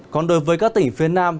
còn đối với các tỉnh phía nam